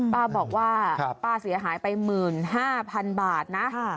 ป้าบอกว่าป้าเสียหายไป๑๕๐๐๐บาทนะ